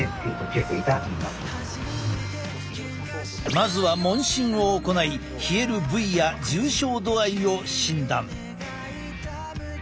まずは問診を行い冷える部位や重症度合いを診断。